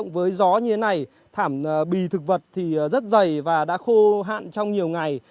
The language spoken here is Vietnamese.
với gió như thế này thảm bì thực vật thì rất dày và đã khô hạn trong nhiều ngày